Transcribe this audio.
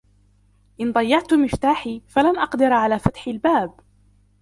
إن ضيعت مفتاحي، فلن أقدر على فتح الباب.